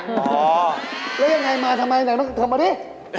แล้วยังไงมาทำไมทำไมดิ